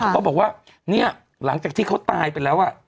เขาบอกว่าเนี่ยหลังจากที่เขาตายไปแล้ว